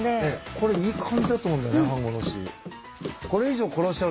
これいい感じだと思うんだよね半殺し。